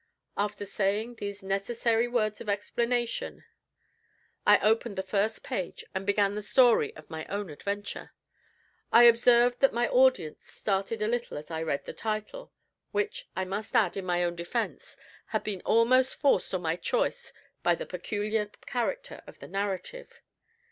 After saying these necessary words of explanation, I opened the first page, and began the story of my Own Adventure. I observed that my audience started a little as I read the title, which I must add, in my own defense, had been almost forced on my choice by the peculiar character of the narrative.